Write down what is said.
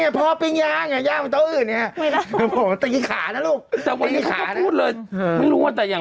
ไม่ใช่ย่างไปโต๊ะอื่นคนไรย่าง